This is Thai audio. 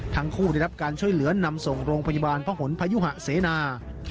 ทั้งคู่ได้รับการช่วยเหลือนำส่งโรงพยาบาลพระหลพยุหะเสนา